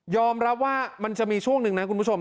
รับว่ามันจะมีช่วงหนึ่งนะคุณผู้ชม